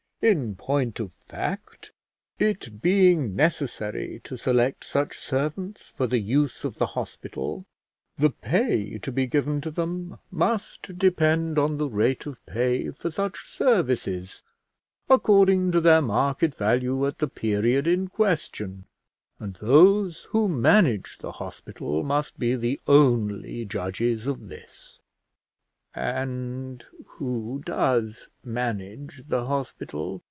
In point of fact, it being necessary to select such servants for the use of the hospital, the pay to be given to them must depend on the rate of pay for such services, according to their market value at the period in question; and those who manage the hospital must be the only judges of this." "And who does manage the hospital?"